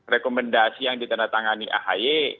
rekomendasi yang ditandatangani ahy